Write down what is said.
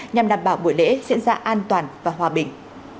nhằm đảm bảo buổi lễ diễn ra an toàn và hòa bình